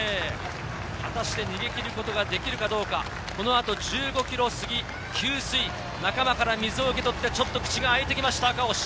果たして逃げきることができるかどうか、この後１５ｋｍすぎ、給水、仲間から水を受け取って、ちょっと口が開いてきました、赤星。